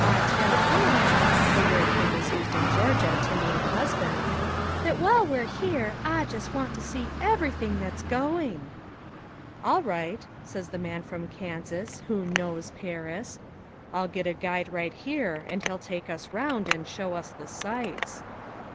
Ah tell him (the word 'him' is used in Georgia to mean husband) that while we're here Ah just want to see everything that's going." "All right," says the Man from Kansas who "knows" Paris, "I'll get a guide right here, and he'll take us round and show us the sights."